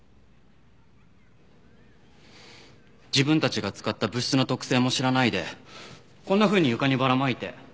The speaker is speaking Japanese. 自分たちが使った物質の特性も知らないでこんなふうに床にばらまいて。